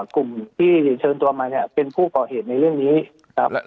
กลุ่มที่เชิญตัวมาเนี่ยเป็นผู้ก่อเหตุในเรื่องนี้ครับ